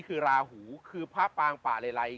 คือราหูคือพระปางป่าเลไล